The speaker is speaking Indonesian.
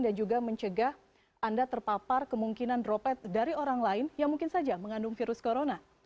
dan juga mencegah anda terpapar kemungkinan droplet dari orang lain yang mungkin saja mengandung virus corona